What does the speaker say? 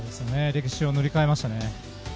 歴史を塗り替えましたね。